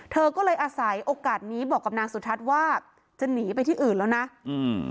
เธอก็เลยอาศัยโอกาสนี้บอกกับนางสุทัศน์ว่าจะหนีไปที่อื่นแล้วนะอืม